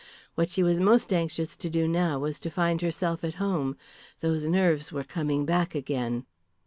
What she was most anxious to do now was to find herself at home. Those nerves were coming back again.